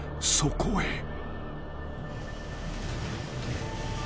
［そこへ］